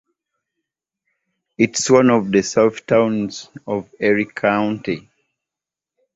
It is one of the "Southtowns" of Erie County.